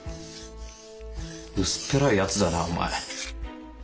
薄っぺらいやつだなお前。